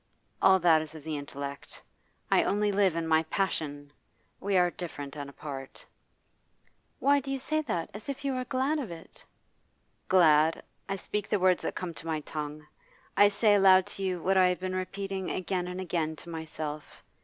All that is of the intellect; I only live in my passion. We are different and apart.' 'Why do you say that, as if you were glad of it?' 'Glad? I speak the words that come to my tongue. I say aloud to you what I have been repeating again and again to myself.